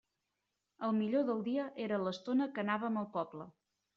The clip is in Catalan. El millor del dia era l'estona que anàvem al poble.